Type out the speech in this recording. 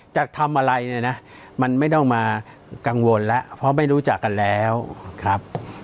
จะทำอะไรเนี่ยนะมันไม่ต้องมากังวลแล้วเพราะไม่รู้จักกันแล้วครับ